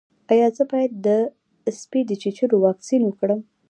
ایا زه باید د سپي د چیچلو واکسین وکړم؟